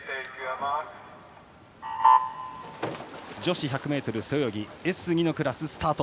女子１００ｍ背泳ぎＳ２のクラス、スタート。